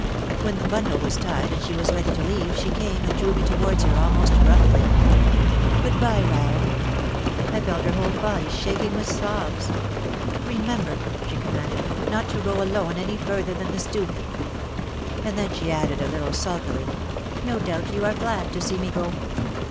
When the bundle was tied and she was ready to leave she came and drew me towards her almost roughly. "Good bye, Rahel." I felt her whole body shaking with sobs. "Remember," she commanded, "not to go alone any further than the stoop." And then she added a little sulkily, "No doubt you are glad to see me go."